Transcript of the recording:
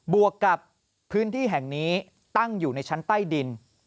วกกับพื้นที่แห่งนี้ตั้งอยู่ในชั้นใต้ดิน